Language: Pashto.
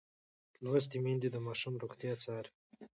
لوستې میندې د ماشوم روغتیا څاري.